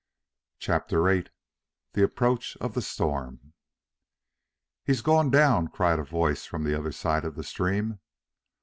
CHAPTER VIII THE APPROACH OF THE STORM "He's gone down!" cried a voice from the other side of the stream.